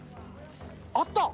あった！